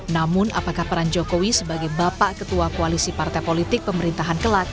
namun apakah peran jokowi sebagai bapak ketua koalisi partai politik pemerintahan kelak